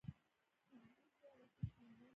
چې د دې هیواد اصلي شتمني ده.